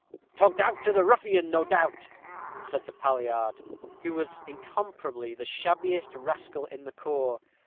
" "Togged out to the ruffian, no doubt," said the palliard, who was incomparably the shabbiest rascal in the corps.